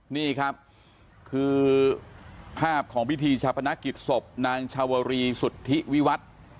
นี่ครับคือภาพของพิธีชาปนกิจศพนางชาวรีสุทธิวิวัตร